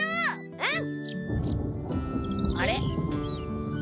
うん。